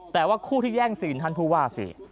แต่ว่าคู่ที่แย่งซีนท่านผู้ว่าสิ